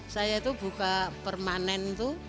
saya itu buka permanen itu